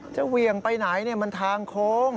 เหวี่ยงไปไหนมันทางโค้ง